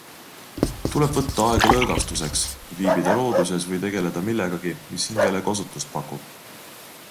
Tuleb võtta aega lõõgastuseks - viibida looduses või tegeleda millegagi, mis hingele kosutust pakub.